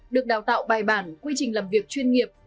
được đào tạo bài bản quy trình làm việc chuyên nghiệp